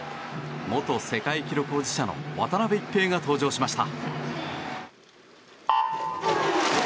元世界記録保持者の渡辺一平が登場しました。